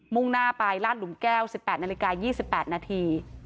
มุ่งหน้าไปลาดหลุมแก้วสิบแปดนาฬิกายี่สิบแปดนาที